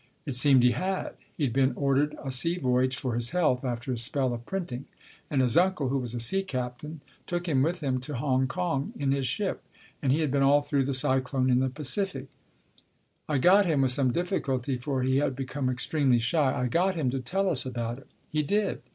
It seemed he had. He'd been ordered a sea voyage for his health after his spell of printing ; and his uncle, who was a sea captain, took him with him to Hong Kong in his ship. And he had been all through a cyclone in the Pacific. I got him with some difficulty, for he had become extremely shy I got him to tell us about it. He did.